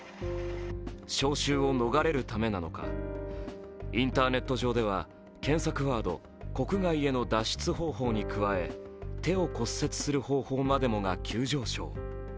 招集を逃れるためなのかインターネット上では検索ワード「国外への脱出方法」に加え「手を骨折する方法」までもが急上昇。